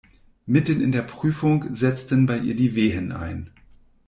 Mitten in der Prüfung setzten bei ihr die Wehen ein.